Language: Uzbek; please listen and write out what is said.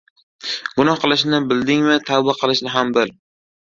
• Gunoh qilishni bildingmi, tavba qilishni ham bil.